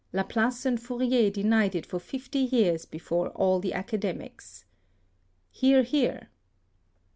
Laplace and Fourier denied it for fifty years before all the Academies. (Hear, hear.)